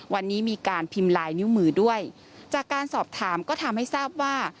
วันนี้มีการพิมพ์ลายนิ้วมือด้วยจากการสอบถามก็ทำให้ทราบว่า